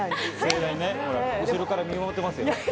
後ろから見守ってますよ。